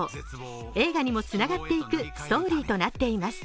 映画にもつながっていくストーリーとなっています。